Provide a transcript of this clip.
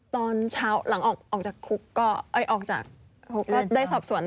ตอนเช้าหลังออกจากคุกก็ออกจากเขาก็ได้สอบสวน